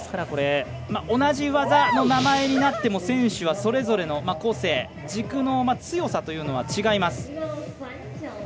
同じ技の名前になっても選手はそれぞれの個性軸の強さというのは違います。